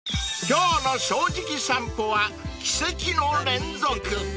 ［今日の『正直さんぽ』は奇跡の連続］